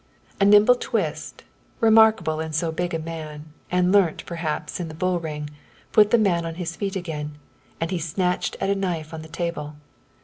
A nimble twist, remarkable in so big a man, and learnt, perhaps, in the bull ring, put the man on his feet again, and he snatched at a knife on the table.